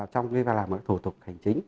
trong cái và làm các cái thủ tục hành chính